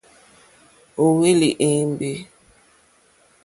Ó hwélì èyémbé.